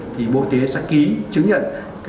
thì bộ y tế sẽ ký chứng nhận